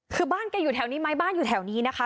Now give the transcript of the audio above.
คือบ้านแกอยู่แถวนี้ไหมบ้านอยู่แถวนี้นะคะ